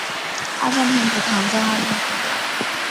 二站天主堂在二站村北。